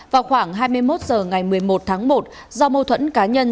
vào khoảng hai mươi một h ngày một mươi một tháng một do mâu thuẫn cá nhân